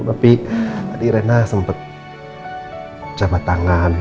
tapi tadi rena sempat cabat tangan